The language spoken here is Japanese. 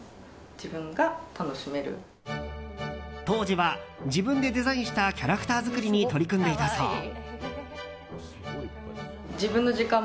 当時は自分でデザインしたキャラクター作りに取り組んでいたそう。